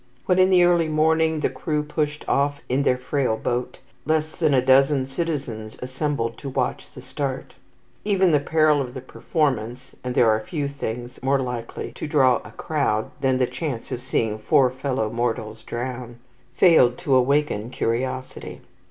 When, in the early morning, the crew pushed off in their frail boat, less than a dozen citizens assembled to watch the start. Even the peril of the performance (and there are few things more likely to draw a crowd than the chance of seeing four fellow mortals drown) failed to awaken curiosity.